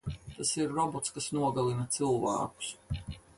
Tas ir robots, kas nogalina cilvēkus.